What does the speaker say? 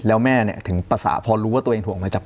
แล้วแม่ถึงประสาทพอรู้ว่าตัวเองถูกมาจับ